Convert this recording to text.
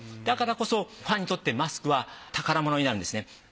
だからこそファンにとってマスクは宝物になるんですね。